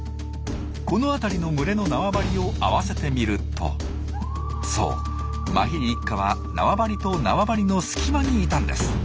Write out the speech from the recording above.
この辺りの群れの縄張りを合わせてみるとそうマヒリ一家は縄張りと縄張りの隙間にいたんです。